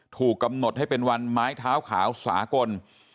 ถูกกำหนดให้เป็นวันไม้เท้าขาวสากล